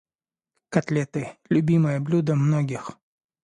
Котлеты - любимое блюдо многих.